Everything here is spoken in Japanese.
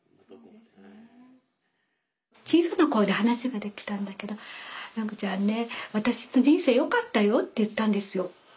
小さな声で話ができたんだけどめぐちゃんね私の人生よかったよって言ったんですよ。